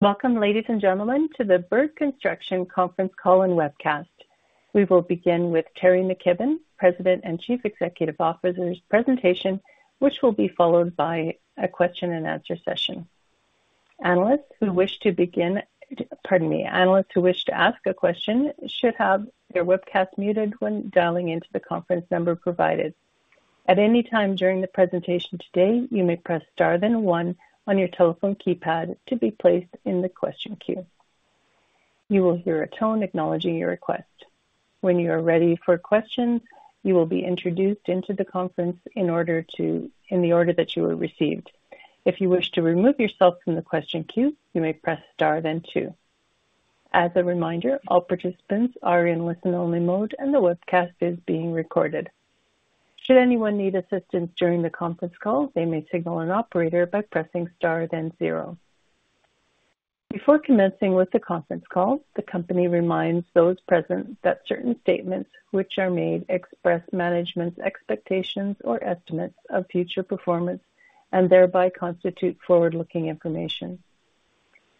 Welcome, ladies and gentlemen, to the Bird Construction Conference call and webcast. We will begin with Teri McKibbon, President and Chief Executive Officer’s presentation, which will be followed by a question-and-answer session. Analysts who wish to begin, pardon me, analysts who wish to ask a question should have their webcast muted when dialing into the conference number provided. At any time during the presentation today, you may press star then one on your telephone keypad to be placed in the question queue. You will hear a tone acknowledging your request. When you are ready for questions, you will be introduced into the conference in the order that you were received. If you wish to remove yourself from the question queue, you may press star then two. As a reminder, all participants are in listen-only mode, and the webcast is being recorded. Should anyone need assistance during the conference call, they may signal an operator by pressing star then zero. Before commencing with the conference call, the company reminds those present that certain statements which are made express management's expectations or estimates of future performance and thereby constitute forward-looking information.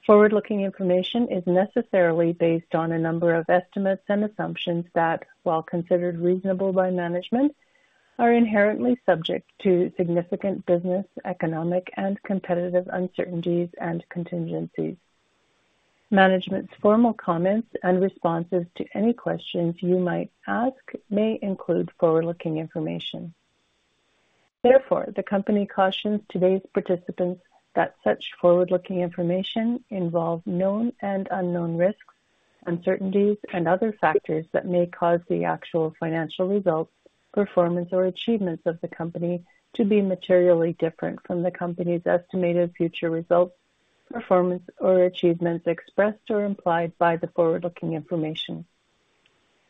Forward-looking information is necessarily based on a number of estimates and assumptions that, while considered reasonable by management, are inherently subject to significant business, economic, and competitive uncertainties and contingencies. Management's formal comments and responses to any questions you might ask may include forward-looking information. Therefore, the company cautions today's participants that such forward-looking information involves known and unknown risks, uncertainties, and other factors that may cause the actual financial results, performance, or achievements of the company to be materially different from the company's estimated future results, performance, or achievements expressed or implied by the forward-looking information.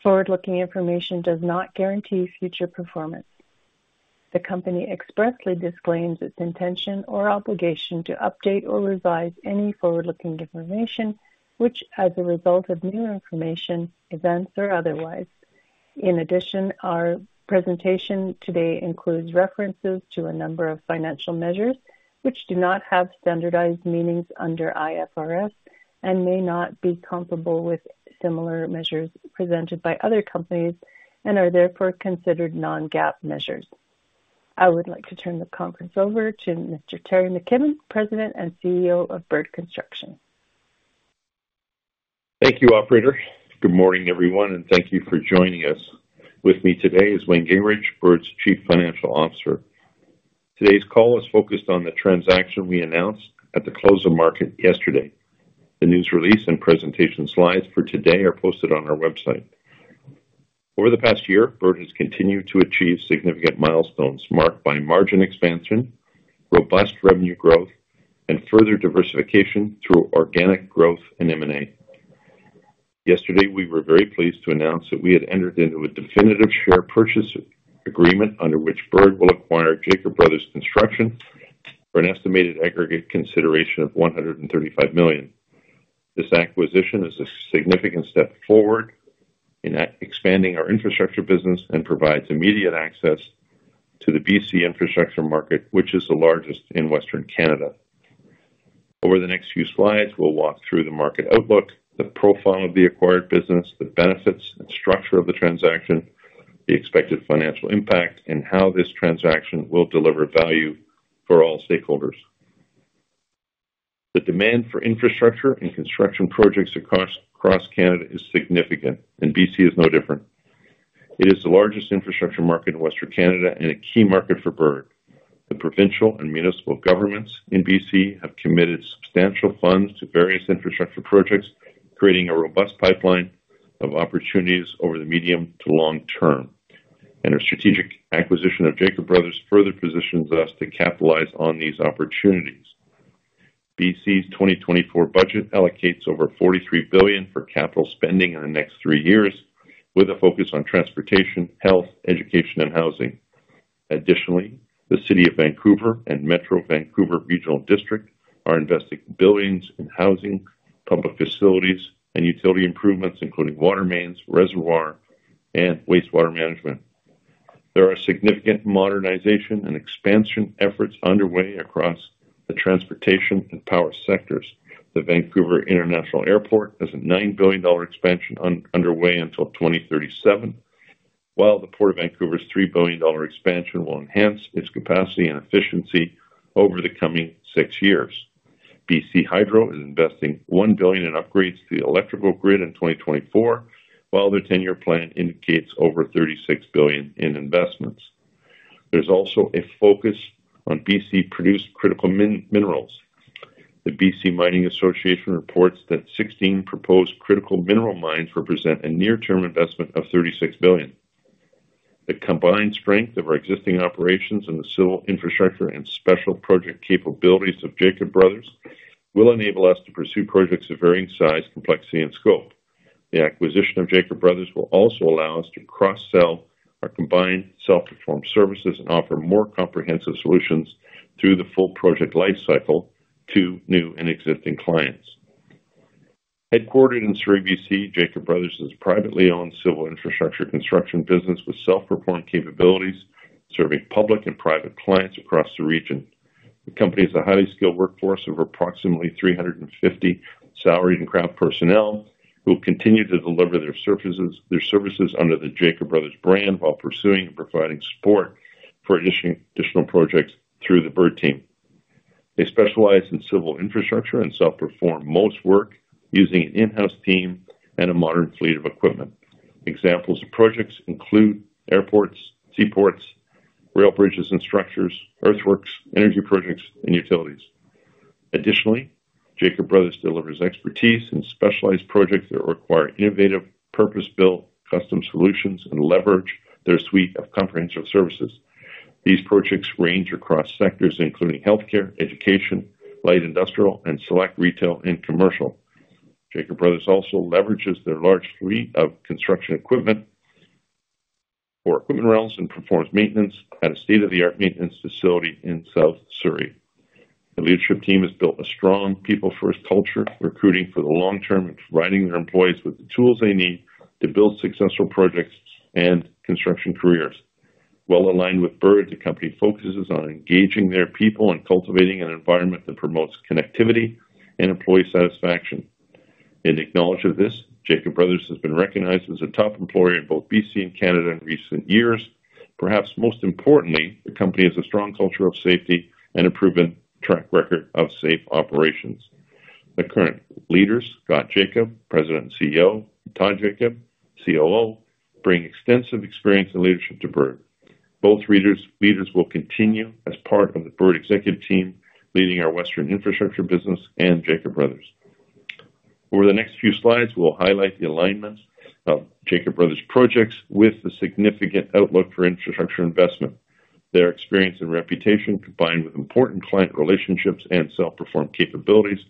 Forward-looking information does not guarantee future performance. The company expressly disclaims its intention or obligation to update or revise any forward-looking information which, as a result of new information, events, or otherwise. In addition, our presentation today includes references to a number of financial measures which do not have standardized meanings under IFRS and may not be comparable with similar measures presented by other companies and are therefore considered non-GAAP measures. I would like to turn the conference over to Mr. Teri McKibbon, President and CEO of Bird Construction. Thank you, Operator. Good morning, everyone, and thank you for joining us. With me today is Wayne Gingrich, Bird's Chief Financial Officer. Today's call is focused on the transaction we announced at the close of market yesterday. The news release and presentation slides for today are posted on our website. Over the past year, Bird has continued to achieve significant milestones marked by margin expansion, robust revenue growth, and further diversification through organic growth and M&A. Yesterday, we were very pleased to announce that we had entered into a definitive share purchase agreement under which Bird will acquire Jacob Bros Construction for an estimated aggregate consideration of 135 million. This acquisition is a significant step forward in expanding our infrastructure business and provides immediate access to the BC infrastructure market, which is the largest in Western Canada. Over the next few slides, we'll walk through the market outlook, the profile of the acquired business, the benefits and structure of the transaction, the expected financial impact, and how this transaction will deliver value for all stakeholders. The demand for infrastructure and construction projects across Canada is significant, and BC is no different. It is the largest infrastructure market in Western Canada and a key market for Bird. The provincial and municipal governments in BC have committed substantial funds to various infrastructure projects, creating a robust pipeline of opportunities over the medium to long term. Our strategic acquisition of Jacob Bros further positions us to capitalize on these opportunities. BC's 2024 budget allocates over 43 billion for capital spending in the next three years, with a focus on transportation, health, education, and housing. Additionally, the City of Vancouver and Metro Vancouver Regional District are investing billions in housing, public facilities, and utility improvements, including water mains, reservoir, and wastewater management. There are significant modernization and expansion efforts underway across the transportation and power sectors. The Vancouver International Airport has a CAD 9 billion expansion underway until 2037, while the Port of Vancouver's CAD 3 billion expansion will enhance its capacity and efficiency over the coming six years. BC Hydro is investing 1 billion in upgrades to the electrical grid in 2024, while their 10-year plan indicates over 36 billion in investments. There's also a focus on BC-produced critical minerals. The BC Mining Association reports that 16 proposed critical mineral mines represent a near-term investment of 36 billion. The combined strength of our existing operations and the civil infrastructure and special project capabilities of Jacob Bros will enable us to pursue projects of varying size, complexity, and scope. The acquisition of Jacob Bros will also allow us to cross-sell our combined self-performed services and offer more comprehensive solutions through the full project lifecycle to new and existing clients. Headquartered in Surrey, BC, Jacob Bros is a privately owned civil infrastructure construction business with self-performed capabilities serving public and private clients across the region. The company is a highly skilled workforce of approximately 350 salaried and craft personnel who will continue to deliver their services under the Jacob Bros brand while pursuing and providing support for additional projects through the Bird team. They specialize in civil infrastructure and self-perform most work using an in-house team and a modern fleet of equipment. Examples of projects include airports, seaports, rail bridges and structures, earthworks, energy projects, and utilities. Additionally, Jacob Bros delivers expertise in specialized projects that require innovative, purpose-built custom solutions and leverage their suite of comprehensive services. These projects range across sectors including healthcare, education, light industrial, and select retail and commercial. Jacob Bros also leverages their large fleet of construction equipment or equipment rentals and performs maintenance at a state-of-the-art maintenance facility in South Surrey. The leadership team has built a strong people-first culture, recruiting for the long term and providing their employees with the tools they need to build successful projects and construction careers. Well aligned with Bird, the company focuses on engaging their people and cultivating an environment that promotes connectivity and employee satisfaction. In acknowledgment of this, Jacob Bros has been recognized as a top employer in both BC and Canada in recent years. Perhaps most importantly, the company has a strong culture of safety and a proven track record of safe operations. The current leaders, Scott Jacob, President and CEO, and Todd Jacob, COO, bring extensive experience and leadership to Bird. Both leaders will continue as part of the Bird executive team leading our Western infrastructure business and Jacob Bros. Over the next few slides, we'll highlight the alignment of Jacob Bros' projects with the significant outlook for infrastructure investment. Their experience and reputation, combined with important client relationships and self-performed capabilities,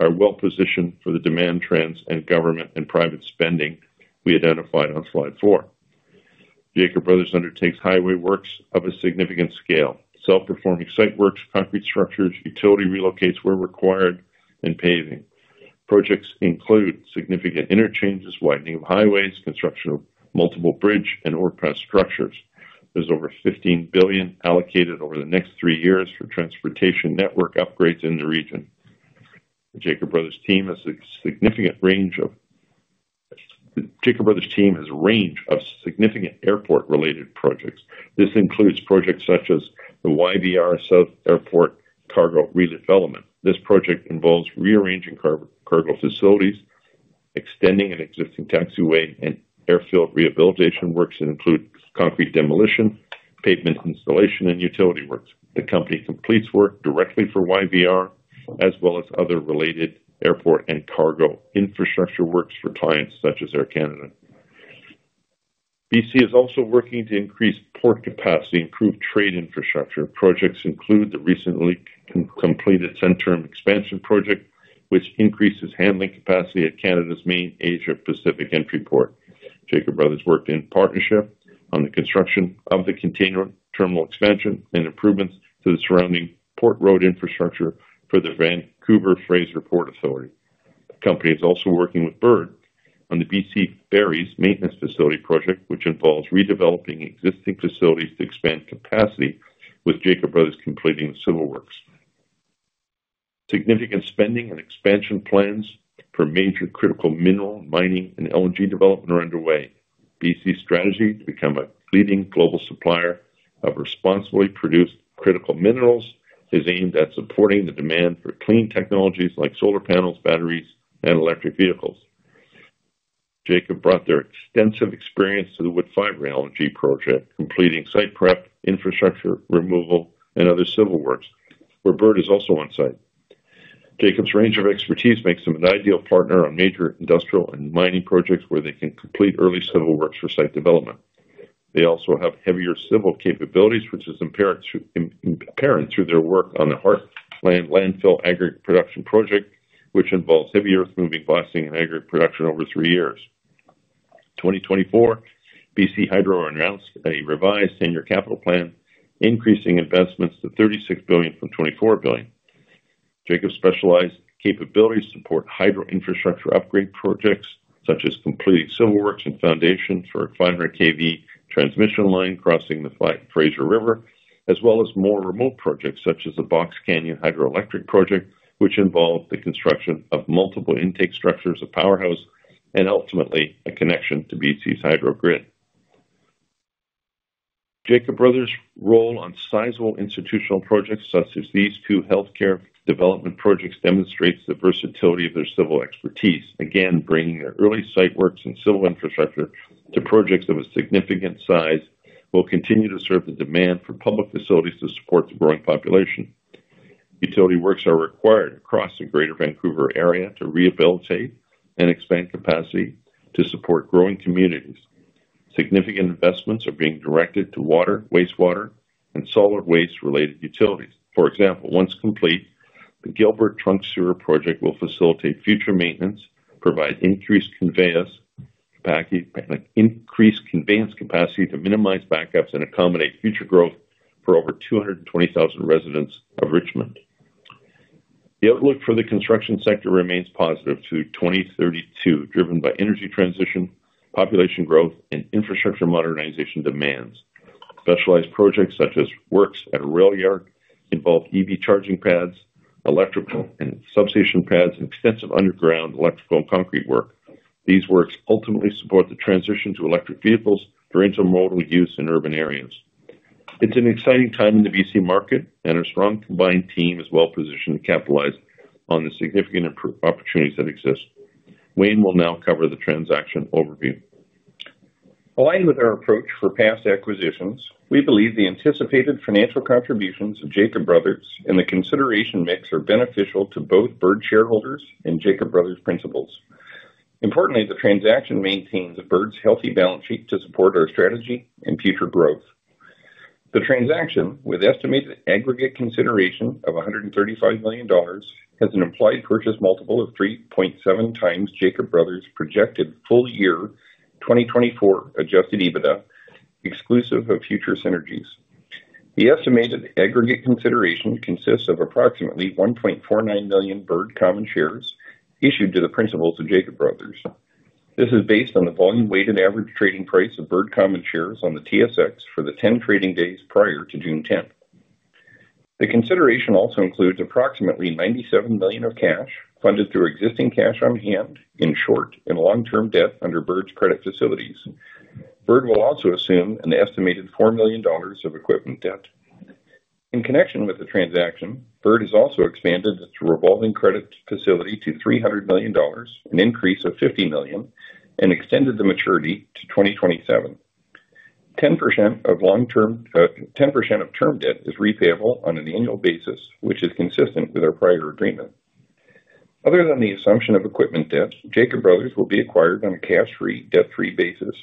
are well positioned for the demand trends and government and private spending we identified on slide four. Jacob Bros undertakes highway works of a significant scale, self-performing site works, concrete structures, utility relocations where required, and paving. Projects include significant interchanges, widening of highways, construction of multiple bridge and overpass structures. There's over 15 billion allocated over the next three years for transportation network upgrades in the region. Jacob Bros' team has a significant range of significant airport-related projects. This includes projects such as the YVR South Airport Cargo Redevelopment. This project involves rearranging cargo facilities, extending an existing taxiway, and airfield rehabilitation works that include concrete demolition, pavement installation, and utility works. The company completes work directly for YVR, as well as other related airport and cargo infrastructure works for clients such as Air Canada. BC is also working to increase port capacity and improve trade infrastructure. Projects include the recently completed Centerm Expansion Project, which increases handling capacity at Canada's main Asia-Pacific entry port. Jacob Bros worked in partnership on the construction of the container terminal expansion and improvements to the surrounding port road infrastructure for the Vancouver Fraser Port Authority. The company is also working with Bird on the BC Ferries maintenance facility project, which involves redeveloping existing facilities to expand capacity, with Jacob Bros completing the civil works. Significant spending and expansion plans for major critical mineral, mining, and LNG development are underway. BC's strategy to become a leading global supplier of responsibly produced critical minerals is aimed at supporting the demand for clean technologies like solar panels, batteries, and electric vehicles. Jacob brought their extensive experience to the Woodfibre LNG Project, completing site prep, infrastructure removal, and other civil works, where Bird is also on site. Jacob's range of expertise makes them an ideal partner on major industrial and mining projects where they can complete early civil works for site development. They also have heavier civil capabilities, which is apparent through their work on the Heartland Landfill Aggregate Production Project, which involves heavy earth-moving blasting and aggregate production over three years. In 2024, BC Hydro announced a revised 10-year capital plan, increasing investments to 36 billion from 24 billion. Jacob Bros' specialized capabilities support hydro-infrastructure upgrade projects such as completing civil works and foundations for a 500 kV transmission line crossing the Fraser River, as well as more remote projects such as the Box Canyon Hydroelectric Project, which involves the construction of multiple intake structures, a powerhouse, and ultimately a connection to BC's hydro grid. Jacob Bros' role on sizable institutional projects such as these two healthcare development projects demonstrates the versatility of their civil expertise. Again, bringing their early site works and civil infrastructure to projects of a significant size will continue to serve the demand for public facilities to support the growing population. Utility works are required across the Greater Vancouver Area to rehabilitate and expand capacity to support growing communities. Significant investments are being directed to water, wastewater, and solid waste-related utilities. For example, once complete, the Gilbert Trunk Sewer Project will facilitate future maintenance, provide increased conveyance capacity to minimize backups, and accommodate future growth for over 220,000 residents of Richmond. The outlook for the construction sector remains positive through 2032, driven by energy transition, population growth, and infrastructure modernization demands. Specialized projects such as works at a rail yard involve EV charging pads, electrical and substation pads, and extensive underground electrical and concrete work. These works ultimately support the transition to electric vehicles for intermodal use in urban areas. It's an exciting time in the BC market, and our strong combined team is well positioned to capitalize on the significant opportunities that exist. Wayne will now cover the transaction overview. Aligned with our approach for past acquisitions, we believe the anticipated financial contributions of Jacob Bros and the consideration mix are beneficial to both Bird shareholders and Jacob Bros' principals. Importantly, the transaction maintains Bird's healthy balance sheet to support our strategy and future growth. The transaction, with estimated aggregate consideration of 135 million dollars, has an implied purchase multiple of 3.7x Jacob Bros' projected full year 2024 adjusted EBITDA, exclusive of future synergies. The estimated aggregate consideration consists of approximately 1.49 million Bird Common Shares issued to the principals of Jacob Bros. This is based on the volume-weighted average trading price of Bird Common Shares on the TSX for the 10 trading days prior to June 10th. The consideration also includes approximately 97 million of cash funded through existing cash on hand in short and long-term debt under Bird's credit facilities. Bird will also assume an estimated 4 million dollars of equipment debt. In connection with the transaction, Bird has also expanded its revolving credit facility to 300 million dollars, an increase of 50 million, and extended the maturity to 2027. 10% of term debt is repayable on an annual basis, which is consistent with our prior agreement. Other than the assumption of equipment debt, Jacob Bros will be acquired on a cash-free, debt-free basis.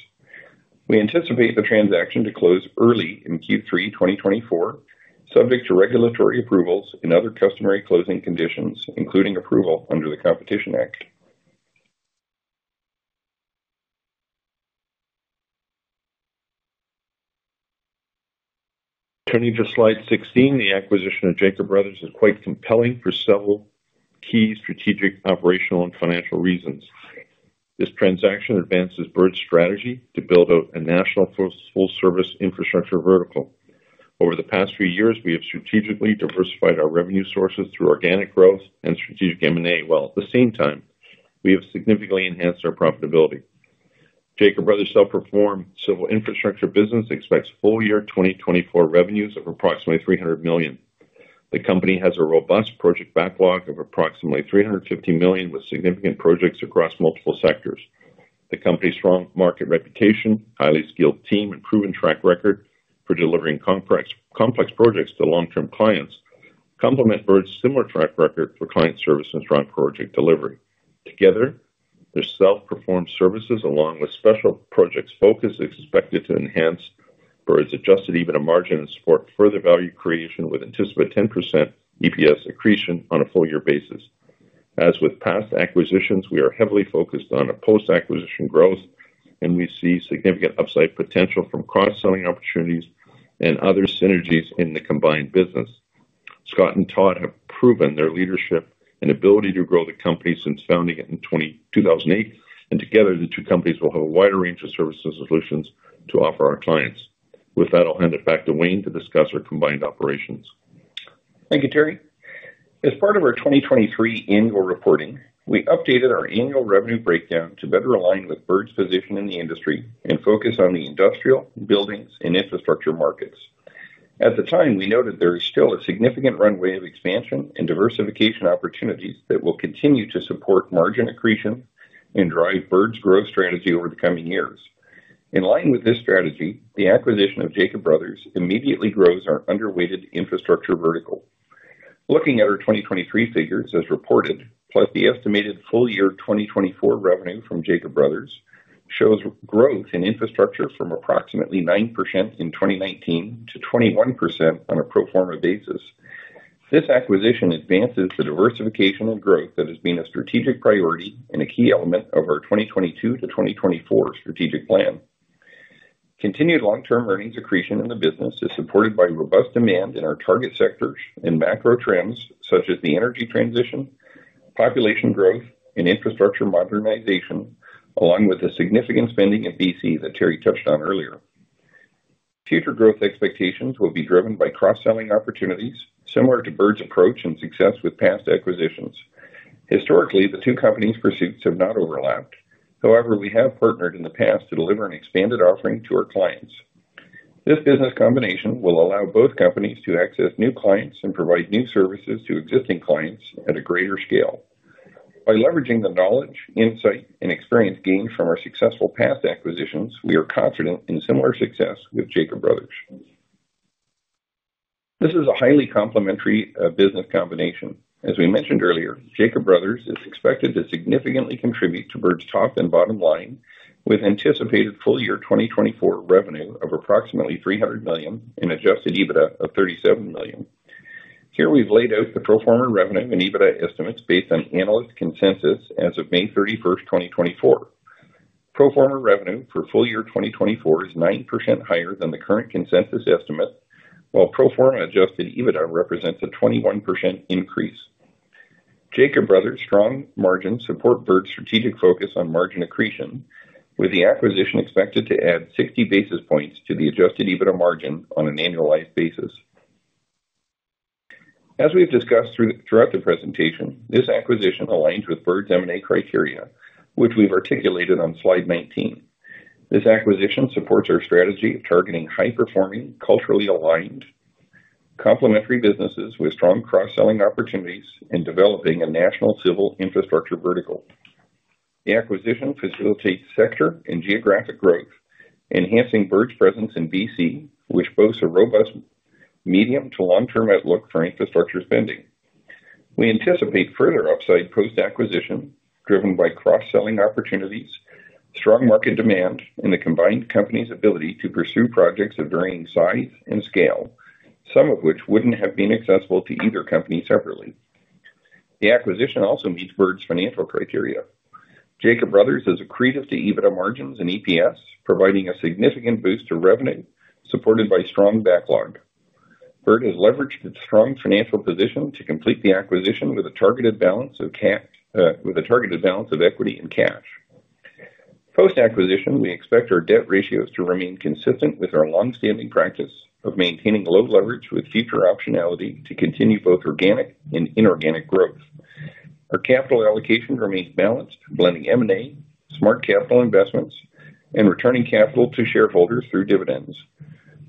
We anticipate the transaction to close early in Q3 2024, subject to regulatory approvals and other customary closing conditions, including approval under the Competition Act. Turning to slide 16, the acquisition of Jacob Bros is quite compelling for several key strategic, operational, and financial reasons. This transaction advances Bird's strategy to build out a national full-service infrastructure vertical. Over the past few years, we have strategically diversified our revenue sources through organic growth and strategic M&A, while at the same time, we have significantly enhanced our profitability. Jacob Bros' self-performed civil infrastructure business expects full year 2024 revenues of approximately 300 million. The company has a robust project backlog of approximately 350 million, with significant projects across multiple sectors. The company's strong market reputation, highly skilled team, and proven track record for delivering complex projects to long-term clients complement Bird's similar track record for client service and strong project delivery. Together, their self-performed services, along with special projects focused, are expected to enhance Bird's Adjusted EBITDA margin and support further value creation with anticipated 10% EPS accretion on a full year basis. As with past acquisitions, we are heavily focused on post-acquisition growth, and we see significant upside potential from cross-selling opportunities and other synergies in the combined business. Scott and Todd have proven their leadership and ability to grow the company since founding it in 2008, and together, the two companies will have a wider range of services and solutions to offer our clients. With that, I'll hand it back to Wayne to discuss our combined operations. Thank you, Teri. As part of our 2023 annual reporting, we updated our annual revenue breakdown to better align with Bird's position in the industry and focus on the industrial, buildings, and infrastructure markets. At the time, we noted there is still a significant runway of expansion and diversification opportunities that will continue to support margin accretion and drive Bird's growth strategy over the coming years. In line with this strategy, the acquisition of Jacob Bros immediately grows our underweighted infrastructure vertical. Looking at our 2023 figures, as reported, plus the estimated full year 2024 revenue from Jacob Bros, shows growth in infrastructure from approximately 9% in 2019 to 21% on a pro forma basis. This acquisition advances the diversification and growth that has been a strategic priority and a key element of our 2022 to 2024 strategic plan. Continued long-term earnings accretion in the business is supported by robust demand in our target sectors and macro trends such as the energy transition, population growth, and infrastructure modernization, along with the significant spending at BC that Teri touched on earlier. Future growth expectations will be driven by cross-selling opportunities, similar to Bird's approach and success with past acquisitions. Historically, the two companies' pursuits have not overlapped. However, we have partnered in the past to deliver an expanded offering to our clients. This business combination will allow both companies to access new clients and provide new services to existing clients at a greater scale. By leveraging the knowledge, insight, and experience gained from our successful past acquisitions, we are confident in similar success with Jacob Brothers. This is a highly complementary business combination. As we mentioned earlier, Jacob Brothers is expected to significantly contribute to Bird's top and bottom line, with anticipated full year 2024 revenue of approximately 300 million and adjusted EBITDA of 37 million. Here, we've laid out the pro forma revenue and EBITDA estimates based on analyst consensus as of May 31st, 2024. Pro forma revenue for full year 2024 is 9% higher than the current consensus estimate, while pro forma adjusted EBITDA represents a 21% increase. Jacob Bros' strong margins support Bird's strategic focus on margin accretion, with the acquisition expected to add 60 basis points to the adjusted EBITDA margin on an annualized basis. As we've discussed throughout the presentation, this acquisition aligns with Bird's M&A criteria, which we've articulated on slide 19. This acquisition supports our strategy of targeting high-performing, culturally aligned, complementary businesses with strong cross-selling opportunities and developing a national civil infrastructure vertical. The acquisition facilitates sector and geographic growth, enhancing Bird's presence in BC, which boasts a robust medium to long-term outlook for infrastructure spending. We anticipate further upside post-acquisition driven by cross-selling opportunities, strong market demand, and the combined company's ability to pursue projects of varying size and scale, some of which wouldn't have been accessible to either company separately. The acquisition also meets Bird's financial criteria. Jacob Bros is accretive to EBITDA margins and EPS, providing a significant boost to revenue supported by strong backlog. Bird has leveraged its strong financial position to complete the acquisition with a targeted balance of equity and cash. Post-acquisition, we expect our debt ratios to remain consistent with our long-standing practice of maintaining low leverage with future optionality to continue both organic and inorganic growth. Our capital allocation remains balanced, blending M&A, smart capital investments, and returning capital to shareholders through dividends.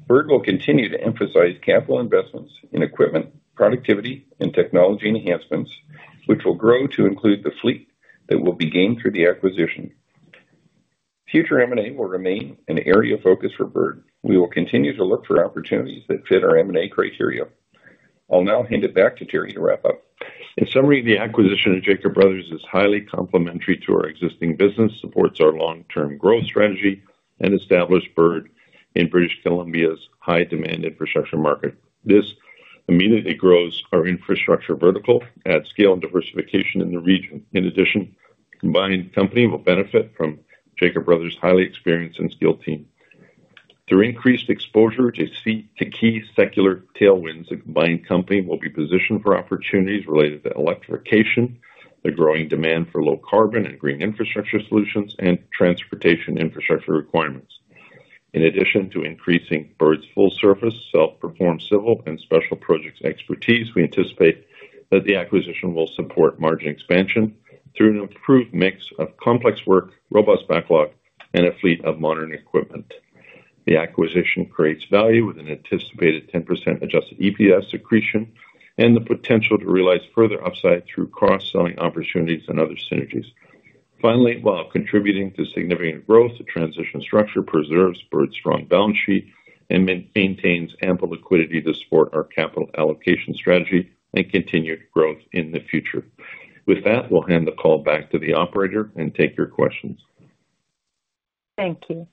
Bird will continue to emphasize capital investments in equipment, productivity, and technology enhancements, which will grow to include the fleet that will be gained through the acquisition. Future M&A will remain an area of focus for Bird. We will continue to look for opportunities that fit our M&A criteria. I'll now hand it back to Teri to wrap up. In summary, the acquisition of Jacob Bros is highly complementary to our existing business, supports our long-term growth strategy, and establishes Bird in British Columbia's high-demand infrastructure market. This immediately grows our infrastructure vertical, adds scale, and diversification in the region. In addition, the combined company will benefit from Jacob Bros' highly experienced and skilled team. Through increased exposure to key secular tailwinds, the combined company will be positioned for opportunities related to electrification, the growing demand for low-carbon and green infrastructure solutions, and transportation infrastructure requirements. In addition to increasing Bird's full-service, self-performed civil, and special projects expertise, we anticipate that the acquisition will support margin expansion through an improved mix of complex work, robust backlog, and a fleet of modern equipment. The acquisition creates value with an anticipated 10% adjusted EPS accretion and the potential to realize further upside through cross-selling opportunities and other synergies. Finally, while contributing to significant growth, the transition structure preserves Bird's strong balance sheet and maintains ample liquidity to support our capital allocation strategy and continued growth in the future. With that, we'll hand the call back to the operator and take your questions. Thank you.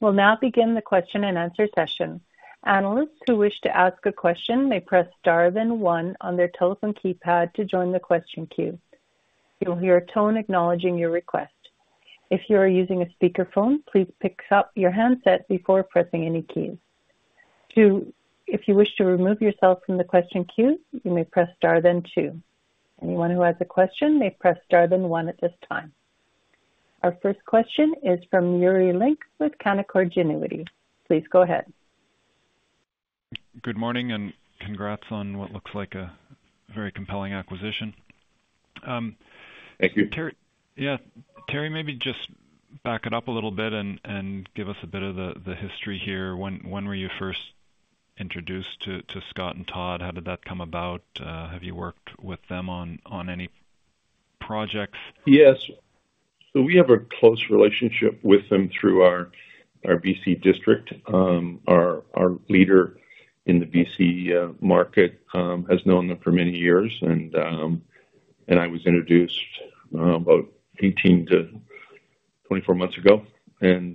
We'll now begin the question-and-answer session. Analysts who wish to ask a question may press star then one on their telephone keypad to join the question queue. You'll hear a tone acknowledging your request. If you are using a speakerphone, please pick up your handset before pressing any keys. If you wish to remove yourself from the question queue, you may press star then two. Anyone who has a question may press star then one at this time. Our first question is from Yuri Lynk with Canaccord Genuity. Please go ahead. Good morning and congrats on what looks like a very compelling acquisition. Thank you. Yeah. Teri, maybe just back it up a little bit and give us a bit of the history here. When were you first introduced to Scott and Todd? How did that come about? Have you worked with them on any projects? Yes. So we have a close relationship with them through our BC district. Our leader in the BC market has known them for many years, and I was introduced about 18-24 months ago. And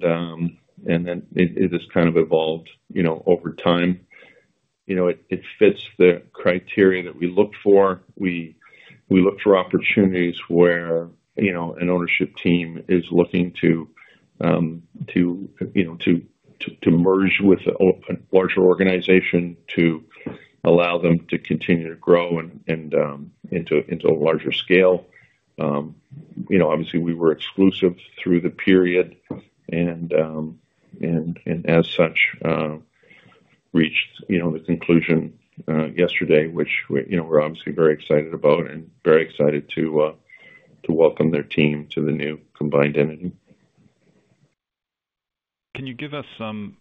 then it has kind of evolved over time. It fits the criteria that we look for. We look for opportunities where an ownership team is looking to merge with a larger organization to allow them to continue to grow into a larger scale. Obviously, we were exclusive through the period, and as such, reached the conclusion yesterday, which we're obviously very excited about and very excited to welcome their team to the new combined entity. Can you give us some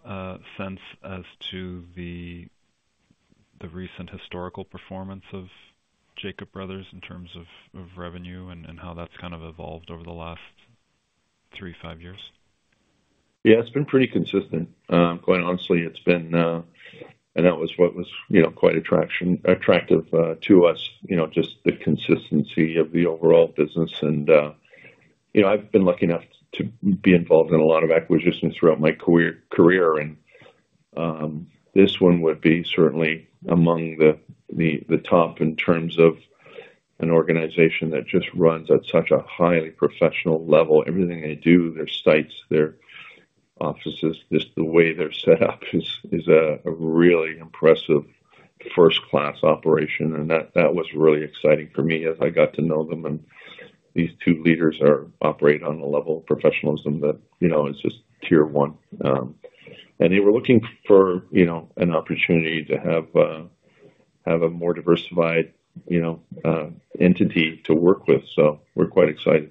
sense as to the recent historical performance of Jacob Bros in terms of revenue and how that's kind of evolved over the last three, five years? Yeah. It's been pretty consistent. Quite honestly, it's been, and that was what was quite attractive to us, just the consistency of the overall business. I've been lucky enough to be involved in a lot of acquisitions throughout my career, and this one would be certainly among the top in terms of an organization that just runs at such a highly professional level. Everything they do, their sites, their offices, just the way they're set up is a really impressive first-class operation. And that was really exciting for me as I got to know them. And these two leaders operate on a level of professionalism that is just tier one. And they were looking for an opportunity to have a more diversified entity to work with. So we're quite excited.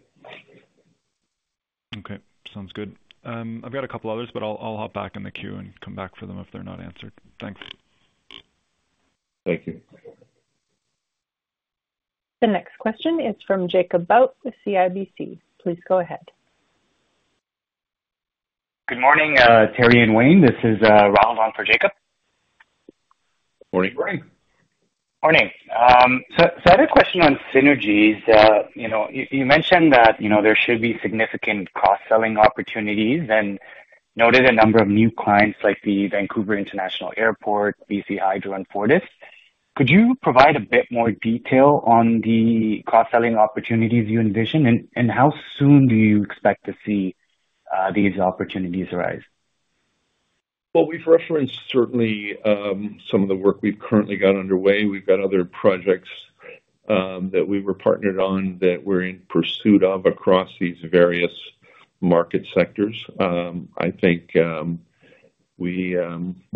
Okay. Sounds good. I've got a couple others, but I'll hop back in the queue and come back for them if they're not answered. Thanks. Thank you. The next question is from Jacob Bout, CIBC. Please go ahead. Good morning, Teri and Wayne. This is Ralph on for Jacob. Morning. Morning. Morning. So I had a question on synergies. You mentioned that there should be significant cross-selling opportunities and noted a number of new clients like the Vancouver International Airport, BC Hydro, and Fortis. Could you provide a bit more detail on the cross-selling opportunities you envision, and how soon do you expect to see these opportunities arise? Well, we've referenced certainly some of the work we've currently got underway. We've got other projects that we were partnered on that we're in pursuit of across these various market sectors. I think we're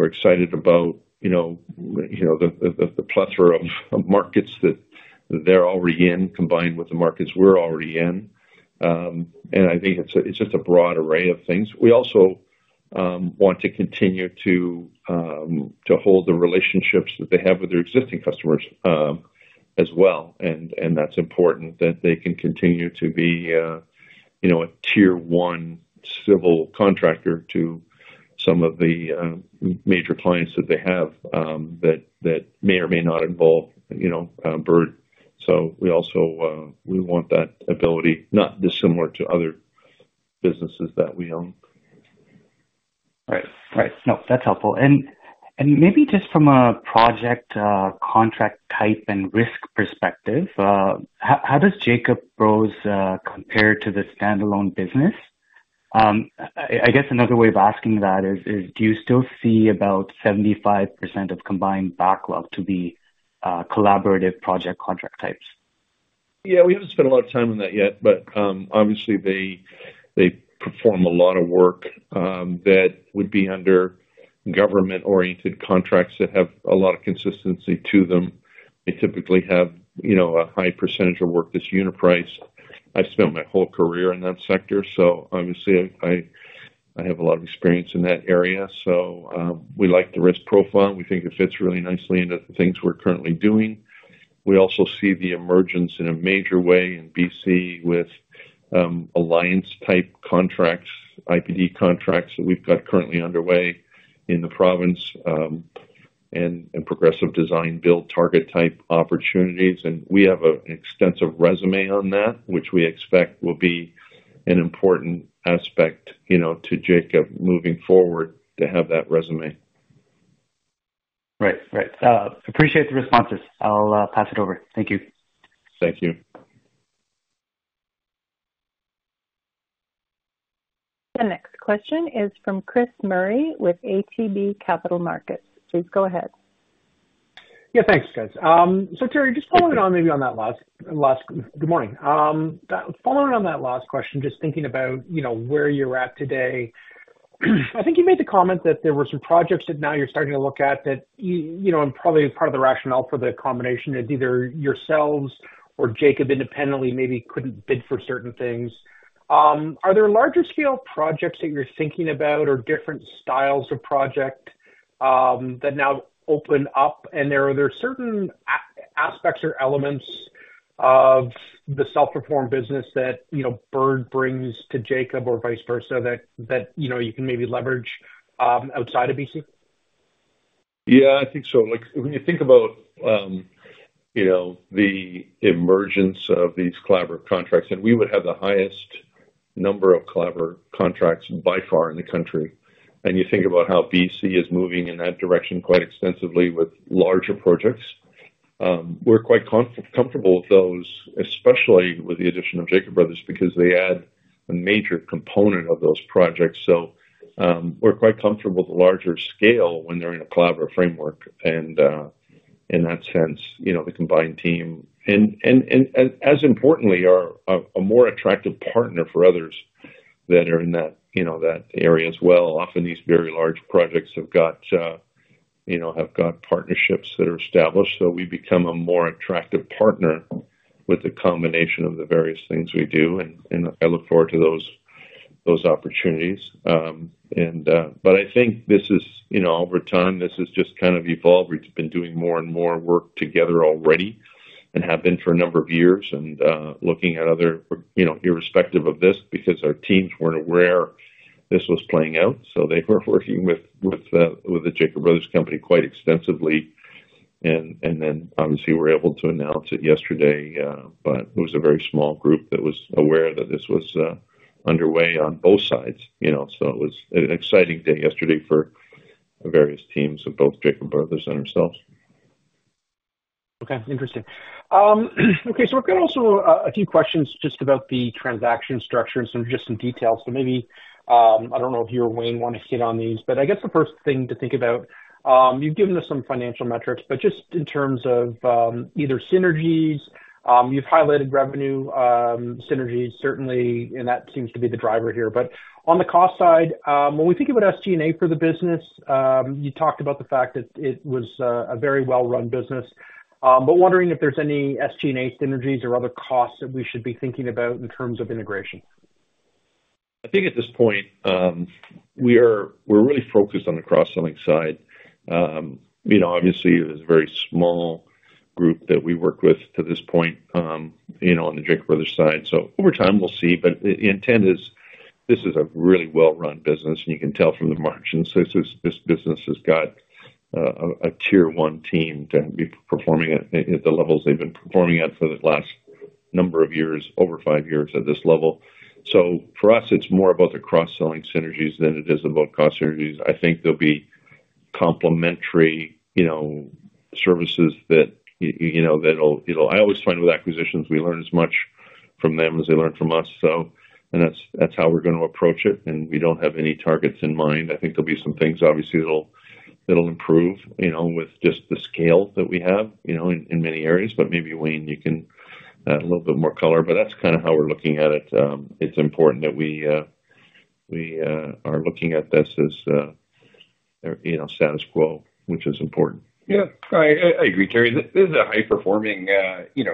excited about the plethora of markets that they're already in, combined with the markets we're already in. And I think it's just a broad array of things. We also want to continue to hold the relationships that they have with their existing customers as well. And that's important that they can continue to be a tier one civil contractor to some of the major clients that they have that may or may not involve Bird. So we also want that ability, not dissimilar to other businesses that we own. Right. Right. No, that's helpful. And maybe just from a project contract type and risk perspective, how does Jacob Bros compare to the standalone business? I guess another way of asking that is, do you still see about 75% of combined backlog to be collaborative project contract types? Yeah. We haven't spent a lot of time on that yet, but obviously, they perform a lot of work that would be under government-oriented contracts that have a lot of consistency to them. They typically have a high percentage of work that's unit priced. I've spent my whole career in that sector, so obviously, I have a lot of experience in that area. So we like the risk profile. We think it fits really nicely into the things we're currently doing. We also see the emergence in a major way in BC with alliance-type contracts, IPD contracts that we've got currently underway in the province, and progressive design build target type opportunities. We have an extensive resume on that, which we expect will be an important aspect to Jacob moving forward to have that resume. Right. Right. Appreciate the responses. I'll pass it over. Thank you. Thank you. The next question is from Chris Murray with ATB Capital Markets. Please go ahead. Yeah. Thanks, guys. So Terry, just following on maybe on that last good morning. Following on that last question, just thinking about where you're at today, I think you made the comment that there were some projects that now you're starting to look at that probably part of the rationale for the combination is either yourselves or Jacob independently maybe couldn't bid for certain things. Are there larger-scale projects that you're thinking about or different styles of project that now open up? And are there certain aspects or elements of the self-performed business that Bird brings to Jacob Bros or vice versa that you can maybe leverage outside of BC? Yeah. I think so. When you think about the emergence of these collaborative contracts, and we would have the highest number of collaborative contracts by far in the country. And you think about how BC is moving in that direction quite extensively with larger projects, we're quite comfortable with those, especially with the addition of Jacob Bros because they add a major component of those projects. So we're quite comfortable with the larger scale when they're in a collaborative framework. And in that sense, the combined team, and as importantly, a more attractive partner for others that are in that area as well. Often, these very large projects have got partnerships that are established. So we become a more attractive partner with the combination of the various things we do. And I look forward to those opportunities. But I think this is, over time, this has just kind of evolved. We've been doing more and more work together already and have been for a number of years. And looking at other irrespective of this because our teams weren't aware this was playing out. So they were working with the Jacob Bros company quite extensively. And then, obviously, we're able to announce it yesterday, but it was a very small group that was aware that this was underway on both sides. So it was an exciting day yesterday for various teams of both Jacob Bros and ourselves. Okay. Interesting. Okay. So we've got also a few questions just about the transaction structure and just some details. So maybe I don't know if you or Wayne want to hit on these, but I guess the first thing to think about, you've given us some financial metrics, but just in terms of either synergies, you've highlighted revenue synergies, certainly, and that seems to be the driver here. But on the cost side, when we think about SG&A for the business, you talked about the fact that it was a very well-run business. But wondering if there's any SG&A synergies or other costs that we should be thinking about in terms of integration. I think at this point, we're really focused on the cross-selling side. Obviously, it is a very small group that we work with to this point on the Jacob Bros side. So over time, we'll see. But the intent is this is a really well-run business, and you can tell from the margins. This business has got a tier one team to be performing at the levels they've been performing at for the last number of years, over five years at this level. So for us, it's more about the cross-selling synergies than it is about cost synergies. I think there'll be complementary services that it'll. I always find with acquisitions, we learn as much from them as they learn from us. And that's how we're going to approach it. And we don't have any targets in mind. I think there'll be some things, obviously, that'll improve with just the scale that we have in many areas. But maybe, Wayne, you can add a little bit more color. But that's kind of how we're looking at it. It's important that we are looking at this as status quo, which is important. Yeah. I agree, Teri. This is a high-performing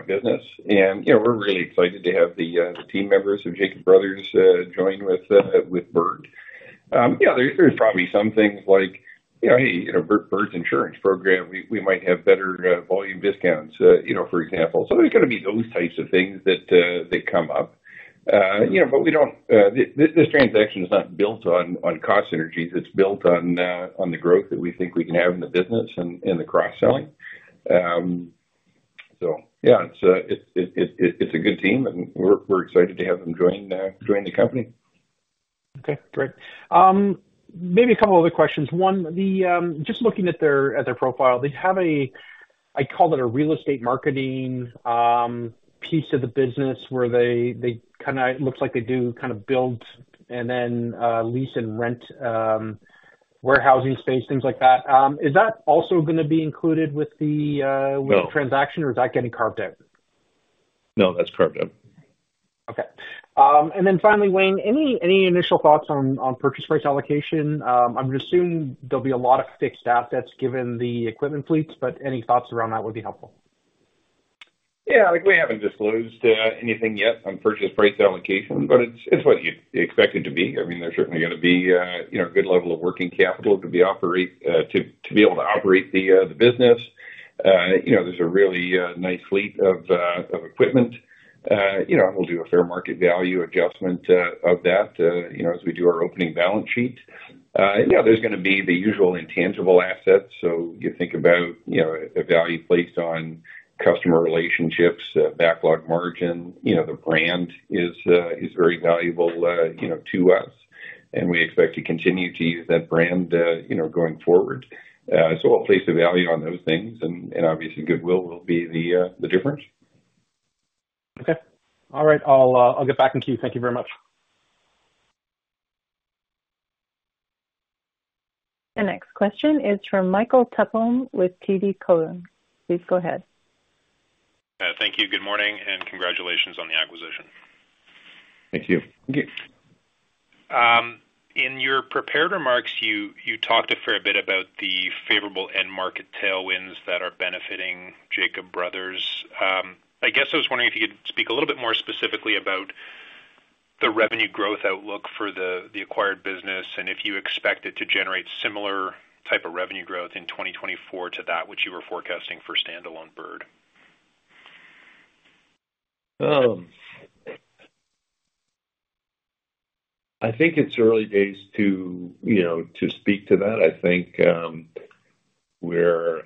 business. And we're really excited to have the team members of Jacob Bros join with Bird. Yeah. There's probably some things like, "Hey, Bird's insurance program, we might have better volume discounts," for example. So there's going to be those types of things that come up. But we don't—this transaction is not built on cost synergies. It's built on the growth that we think we can have in the business and the cross-selling. So yeah, it's a good team, and we're excited to have them join the company. Okay. Great. Maybe a couple other questions. One, just looking at their profile, they have a - I call it a real estate marketing piece of the business where they kind of looks like they do kind of build and then lease and rent warehousing space, things like that. Is that also going to be included with the transaction, or is that getting carved out? No, that's carved out. Okay. And then finally, Wayne, any initial thoughts on purchase price allocation? I'm assuming there'll be a lot of fixed assets given the equipment fleets, but any thoughts around that would be helpful. Yeah. We haven't disclosed anything yet on purchase price allocation, but it's what you expect it to be. I mean, there's certainly going to be a good level of working capital to be able to operate the business. There's a really nice fleet of equipment. We'll do a fair market value adjustment of that as we do our opening balance sheet. There's going to be the usual intangible assets. So you think about a value placed on customer relationships, backlog margin. The brand is very valuable to us, and we expect to continue to use that brand going forward. So we'll place a value on those things, and obviously, goodwill will be the difference. Okay. All right. I'll get back in queue. Thank you very much. The next question is from Michael Tupholme with TD Cowen. Please go ahead. Thank you. Good morning, and congratulations on the acquisition. Thank you. Thank you. In your prepared remarks, you talked a fair bit about the favorable end market tailwinds that are benefiting Jacob Bros. I guess I was wondering if you could speak a little bit more specifically about the revenue growth outlook for the acquired business and if you expect it to generate similar type of revenue growth in 2024 to that which you were forecasting for standalone Bird. I think it's early days to speak to that. I think we're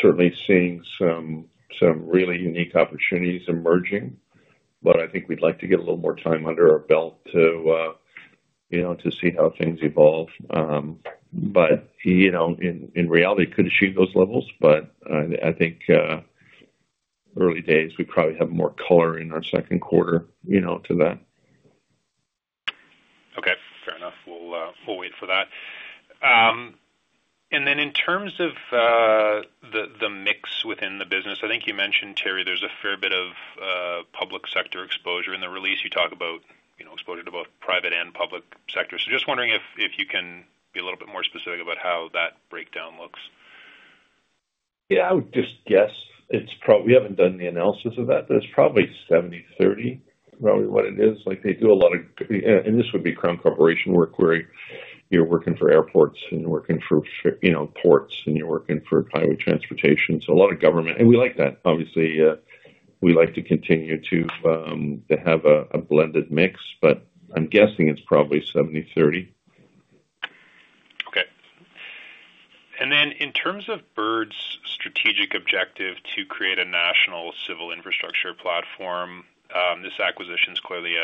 certainly seeing some really unique opportunities emerging, but I think we'd like to get a little more time under our belt to see how things evolve. But in reality, could achieve those levels. But I think early days, we probably have more color in our second quarter to that. Okay. Fair enough. We'll wait for that. And then in terms of the mix within the business, I think you mentioned, Teri, there's a fair bit of public sector exposure. In the release, you talk about exposure to both private and public sectors. So just wondering if you can be a little bit more specific about how that breakdown looks. Yeah. I would just guess. We haven't done the analysis of that, but it's probably 70/30, probably what it is. They do a lot of—and this would be crown corporation work where you're working for airports and you're working for ports and you're working for highway transportation. So a lot of government—and we like that. Obviously, we like to continue to have a blended mix, but I'm guessing it's probably 70/30. Okay. And then in terms of Bird's strategic objective to create a national civil infrastructure platform, this acquisition is clearly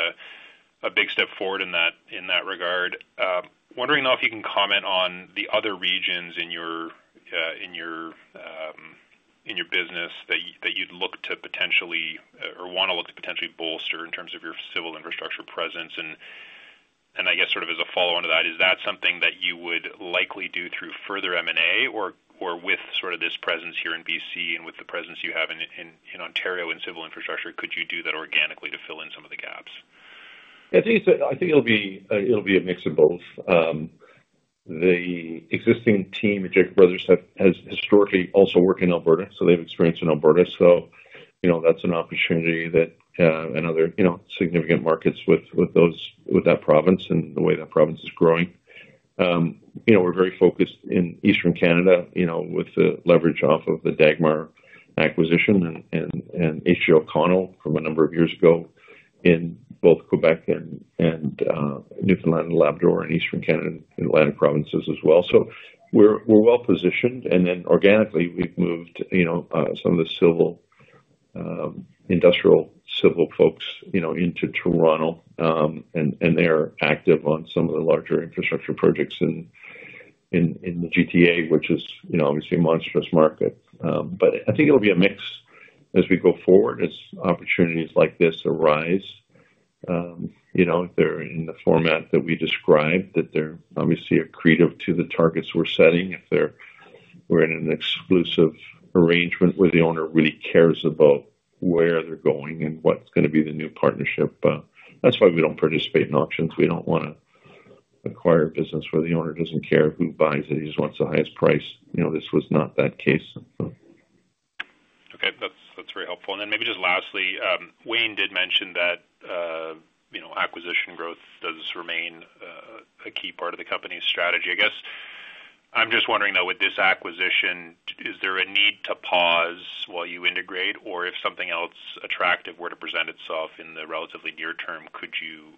a big step forward in that regard. Wondering if you can comment on the other regions in your business that you'd look to potentially or want to look to potentially bolster in terms of your civil infrastructure presence. And I guess sort of as a follow-on to that, is that something that you would likely do through further M&A or with sort of this presence here in BC and with the presence you have in Ontario in civil infrastructure? Could you do that organically to fill in some of the gaps? I think it'll be a mix of both. The existing team at Jacob Bros has historically also worked in Alberta, so they have experience in Alberta. So that's an opportunity that and other significant markets with that province and the way that province is growing. We're very focused in Eastern Canada with the leverage off of the Dagmar acquisition and H.J. O'Connell from a number of years ago in both Quebec and Newfoundland and Labrador and Eastern Canada and Atlantic provinces as well. So we're well-positioned. And then organically, we've moved some of the industrial civil folks into Toronto, and they're active on some of the larger infrastructure projects in the GTA, which is obviously a monstrous market. But I think it'll be a mix as we go forward as opportunities like this arise. If they're in the format that we described, that they're obviously accretive to the targets we're setting. If they're in an exclusive arrangement where the owner really cares about where they're going and what's going to be the new partnership. That's why we don't participate in auctions. We don't want to acquire a business where the owner doesn't care who buys it. He just wants the highest price. This was not that case. Okay. That's very helpful. And then maybe just lastly, Wayne did mention that acquisition growth does remain a key part of the company's strategy. I guess I'm just wondering though, with this acquisition, is there a need to pause while you integrate? Or if something else attractive were to present itself in the relatively near term, could you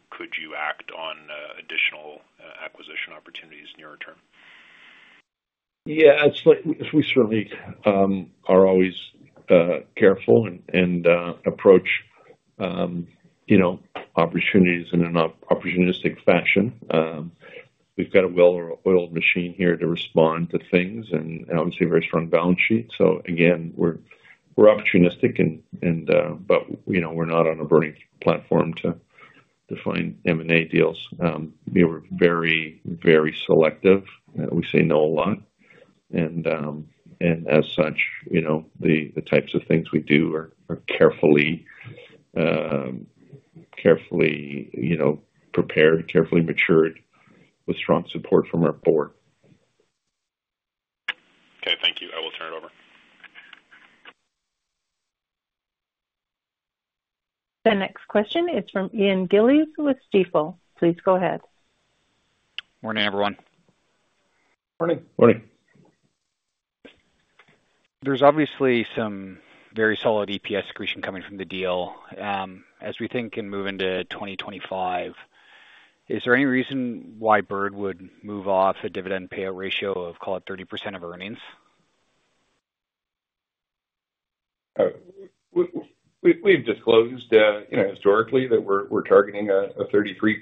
act on additional acquisition opportunities nearer term? Yeah. We certainly are always careful and approach opportunities in an opportunistic fashion. We've got a well-oiled machine here to respond to things and obviously a very strong balance sheet. So again, we're opportunistic, but we're not on a burning platform to find M&A deals. We're very, very selective. We say no a lot. And as such, the types of things we do are carefully prepared, carefully matured with strong support from our board. Okay. Thank you.I will turn it over. The next question is from Ian Gillies with Stifel. Please go ahead. Morning, everyone. Morning. Morning. There's obviously some very solid EPS accretion coming from the deal. As we think and move into 2025, is there any reason why Bird would move off a dividend payout ratio of, call it, 30% of earnings? We've disclosed historically that we're targeting a 33%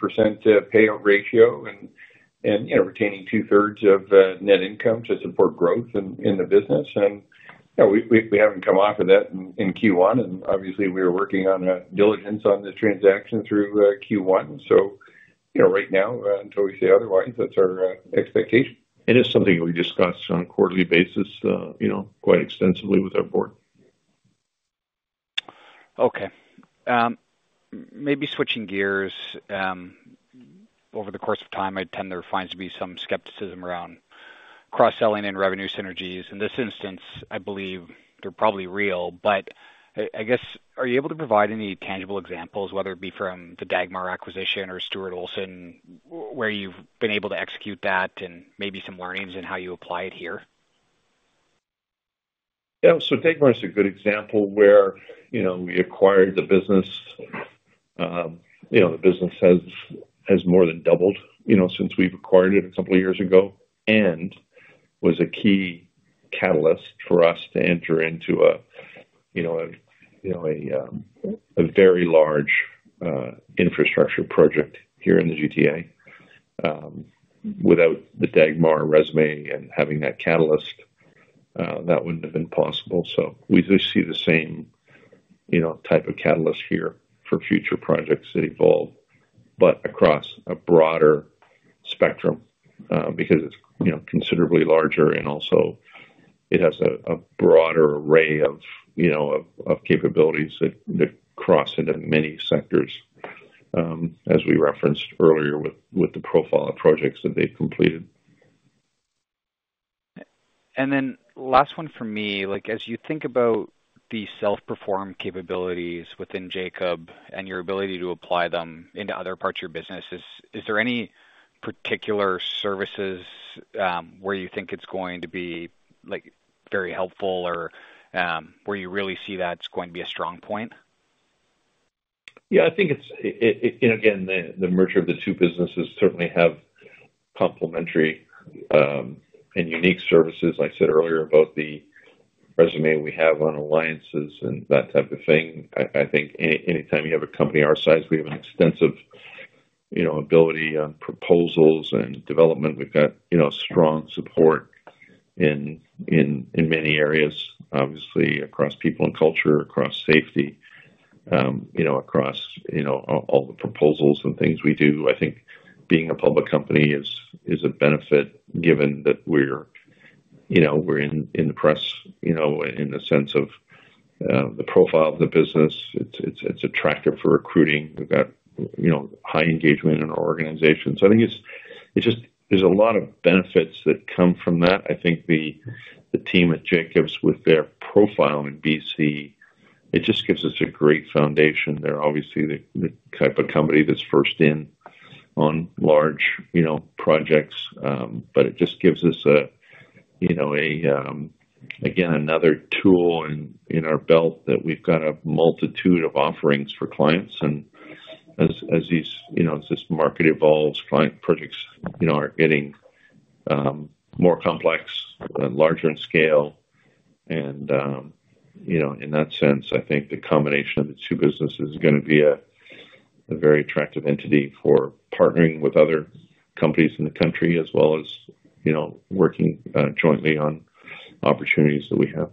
payout ratio and retaining 2/3 of net income to support growth in the business. We haven't come off of that in Q1. Obviously, we were working on diligence on this transaction through Q1. Right now, until we say otherwise, that's our expectation. It is something that we discuss on a quarterly basis quite extensively with our board. Okay. Maybe switching gears. Over the course of time, I tend to find there to be some skepticism around cross-selling and revenue synergies. In this instance, I believe they're probably real. But I guess, are you able to provide any tangible examples, whether it be from the Dagmar acquisition or Stuart Olson, where you've been able to execute that and maybe some learnings and how you apply it here? Yeah. So Dagmar is a good example where we acquired the business. The business has more than doubled since we've acquired it a couple of years ago and was a key catalyst for us to enter into a very large infrastructure project here in the GTA. Without the Dagmar resume and having that catalyst, that wouldn't have been possible. So we do see the same type of catalyst here for future projects that evolve, but across a broader spectrum because it's considerably larger. Also, it has a broader array of capabilities that cross into many sectors, as we referenced earlier with the profile of projects that they've completed. And then last one for me. As you think about the self-perform capabilities within Jacob and your ability to apply them into other parts of your business, is there any particular services where you think it's going to be very helpful or where you really see that's going to be a strong point? Yeah. I think, again, the merger of the two businesses certainly has complementary and unique services. I said earlier about the resume we have on alliances and that type of thing. I think anytime you have a company our size, we have an extensive ability on proposals and development. We've got strong support in many areas, obviously, across people and culture, across safety, across all the proposals and things we do. I think being a public company is a benefit given that we're in the press in the sense of the profile of the business. It's attractive for recruiting. We've got high engagement in our organization. So I think there's a lot of benefits that come from that. I think the team at Jacob Bros, with their profile in BC, it just gives us a great foundation. They're obviously the type of company that's first in on large projects, but it just gives us, again, another tool in our belt that we've got a multitude of offerings for clients. And as this market evolves, client projects are getting more complex and larger in scale. And in that sense, I think the combination of the two businesses is going to be a very attractive entity for partnering with other companies in the country as well as working jointly on opportunities that we have.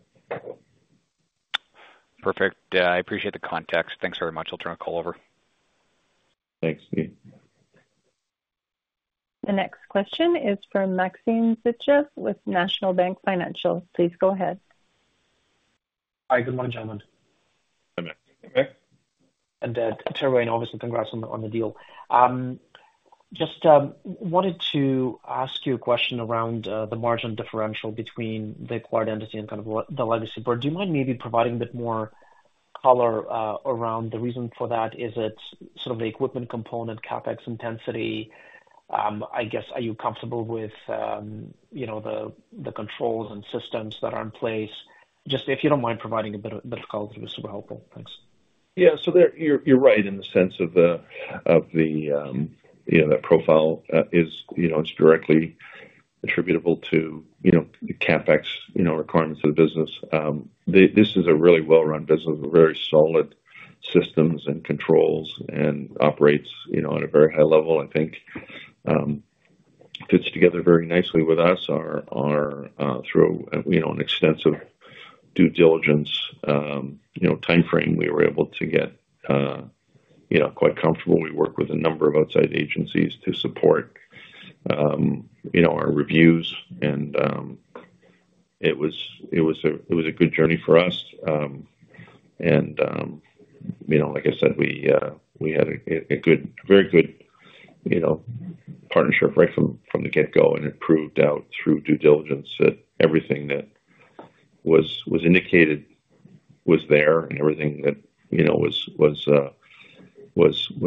Perfect. I appreciate the context. Thanks very much. I'll turn the call over. Thanks, Ian. The next question is from Maxim Sytchev with National Bank Financial. Please go ahead. Hi. Good morning, gentlemen. And Teri, Wayne, and Scott, congrats on the deal. Just wanted to ask you a question around the margin differential between the acquired entity and kind of the legacy Bird. Do you mind maybe providing a bit more color around the reason for that? Is it sort of the equipment component, CapEx intensity? I guess, are you comfortable with the controls and systems that are in place? Just if you don't mind providing a bit of color, that would be super helpful. Thanks. Yeah. So you're right in the sense of the profile is directly attributable to CapEx requirements of the business. This is a really well-run business with very solid systems and controls and operates at a very high level. I think it fits together very nicely with us. Through an extensive due diligence timeframe, we were able to get quite comfortable. We work with a number of outside agencies to support our reviews, and it was a good journey for us. Like I said, we had a very good partnership right from the get-go and it proved out through due diligence that everything that was indicated was there and everything that was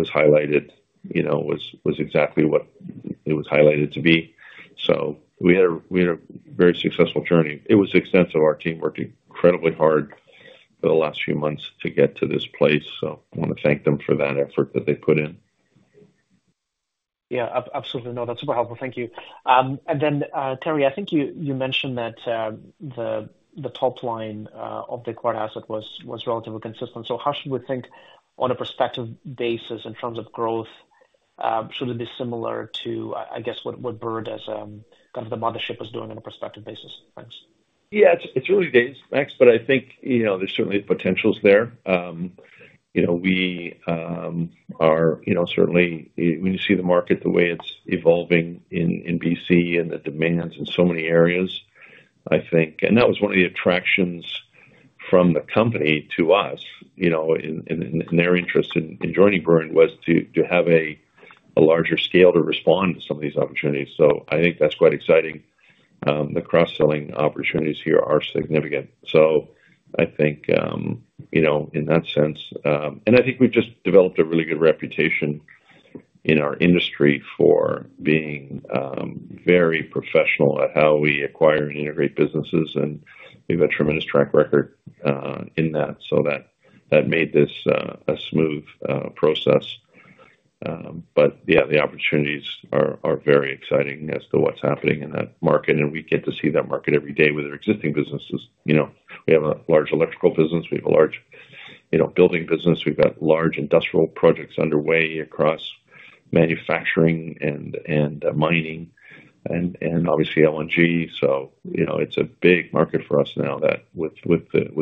highlighted was exactly what it was highlighted to be. We had a very successful journey. It was extensive. Our team worked incredibly hard for the last few months to get to this place. I want to thank them for that effort that they put in. Yeah. Absolutely. No, that's super helpful. Thank you. Then, Teri, I think you mentioned that the top line of the acquired asset was relatively consistent. So how should we think on a prospective basis in terms of growth? Should it be similar to, I guess, what Bird as kind of the mothership is doing on a prospective basis? Thanks. Yeah. It's early days, Maxim, but I think there's certainly potential there. We are certainly, when you see the market, the way it's evolving in BC and the demands in so many areas, I think. And that was one of the attractions from the company to us. And their interest in joining Bird was to have a larger scale to respond to some of these opportunities. So I think that's quite exciting. The cross-selling opportunities here are significant. So I think in that sense, and I think we've just developed a really good reputation in our industry for being very professional at how we acquire and integrate businesses. We've got a tremendous track record in that. So that made this a smooth process. But yeah, the opportunities are very exciting as to what's happening in that market. And we get to see that market every day with our existing businesses. We have a large electrical business. We have a large building business. We've got large industrial projects underway across manufacturing and mining and obviously LNG. So it's a big market for us now with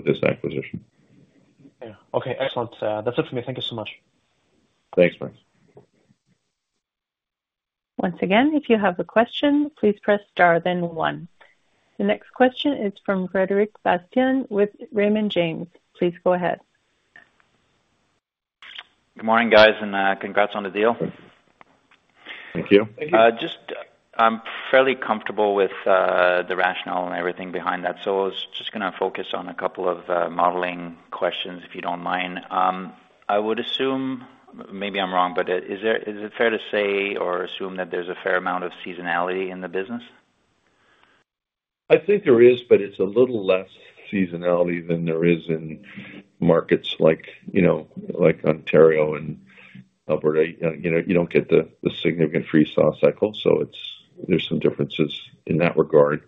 this acquisition. Yeah. Okay. Excellent. That's it for me. Thank you so much. Thanks, Maxim. Once again, if you have a question, please press star then one. The next question is from Frederic Bastien with Raymond James. Please go ahead. Good morning, guys, and congrats on the deal. Thank you. Just, I'm fairly comfortable with the rationale and everything behind that. So I was just going to focus on a couple of modeling questions, if you don't mind. I would assume, maybe I'm wrong, but is it fair to say or assume that there's a fair amount of seasonality in the business? I think there is, but it's a little less seasonality than there is in markets like Ontario and Alberta. You don't get the significant freeze-off cycle. So there's some differences in that regard.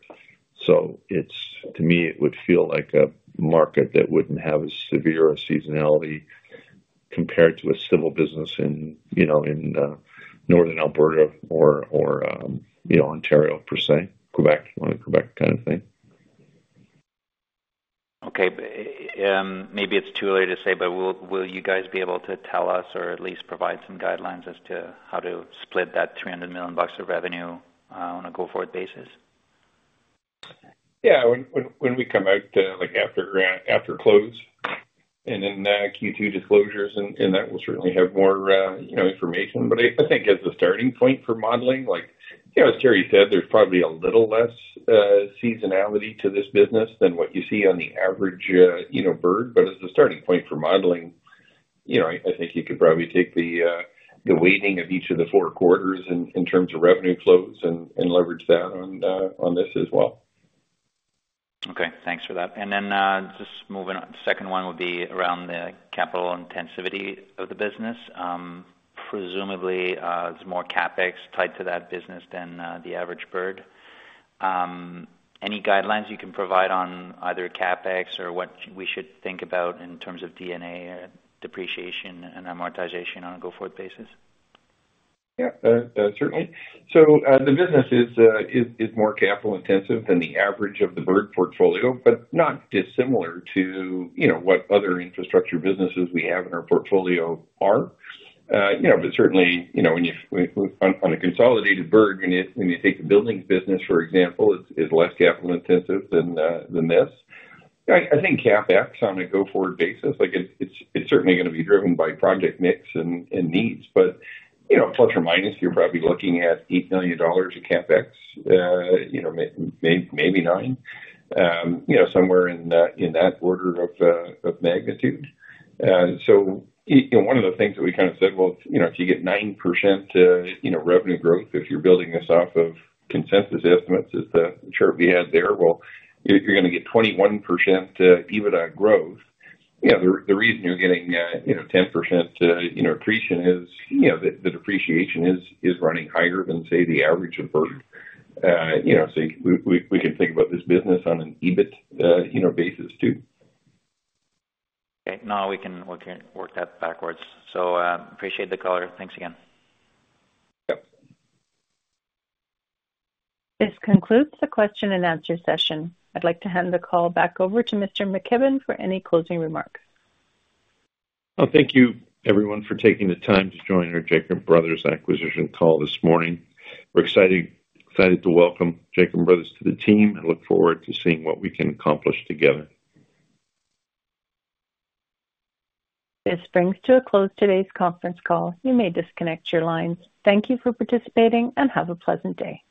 So to me, it would feel like a market that wouldn't have as severe a seasonality compared to a civil business in Northern Alberta or Ontario per se, Quebec, kind of thing. Okay. Maybe it's too early to say, but will you guys be able to tell us or at least provide some guidelines as to how to split that 300 million bucks of revenue on a go-forward basis? Yeah. When we come out after close. And then Q2 disclosures, and that will certainly have more information. But I think as a starting point for modeling, like Teri said, there's probably a little less seasonality to this business than what you see on the average Bird. But as a starting point for modeling, I think you could probably take the weighting of each of the four quarters in terms of revenue flows and leverage that on this as well. Okay. Thanks for that. And then just moving on, the second one would be around the capital intensivity of the business. Presumably, it's more CapEx tied to that business than the average Bird. Any guidelines you can provide on either CapEx or what we should think about in terms of D&A depreciation and amortization on a go-forward basis? Yeah. Certainly. So the business is more capital-intensive than the average of the Bird portfolio, but not dissimilar to what other infrastructure businesses we have in our portfolio are. Certainly, on a consolidated Bird, when you take the building business, for example, it's less capital-intensive than this. I think CapEx on a go-forward basis, it's certainly going to be driven by project mix and needs. Plus or minus, you're probably looking at 8 million dollars in CapEx, maybe nine, somewhere in that order of magnitude. One of the things that we kind of said, well, if you get 9% revenue growth, if you're building this off of consensus estimates as the chart we had there, well, you're going to get 21% EBITDA growth. The reason you're getting 10% accretion is the depreciation is running higher than, say, the average of Bird. So we can think about this business on an EBIT basis too. Okay. No, we can work that backwards. So appreciate the color. Thanks again. Yep. This concludes the question-and-answer session. I'd like to hand the call back over to Mr. McKibbon for any closing remarks. Well, thank you, everyone, for taking the time to join our Jacob Bros Acquisition call this morning. We're excited to welcome Jacob Bros to the team and look forward to seeing what we can accomplish together. This brings to a close today's conference call. You may disconnect your lines. Thank you for participating and have a pleasant day.